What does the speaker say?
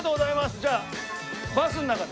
じゃあバスの中で。